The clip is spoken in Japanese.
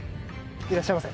いらっしゃいませ。